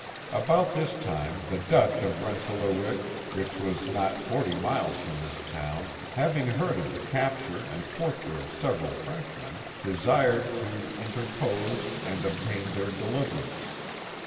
About this time the Dutch of Rensselaerwyck, which was not forty miles from this town, having heard of the capture and torture of several Frenchmen, desired to interpose and 44 The Mohawk Valley obtain their deliverance.